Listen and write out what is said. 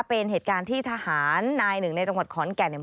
เป็นเหตุการณ์ที่ทหารนายหนึ่งในจังหวัดขอนแก่นเนี่ย